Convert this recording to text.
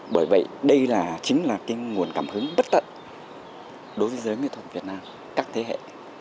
bởi vậy đây chính là cái nguồn cảm hứng bất tận đối với giới nghệ thuật việt nam các thế hệ